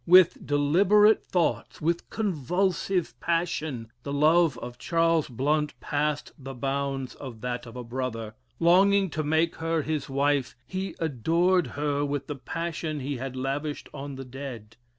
With deliberate thoughts, with convulsive passion, the love of Charles Blount passed the bounds of that of a brother; longing to make her his wife, he adored her with the passion he had lavished on the dead.